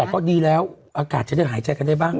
ก็ดีแล้วอากาศจะได้หายใจกันได้บ้าง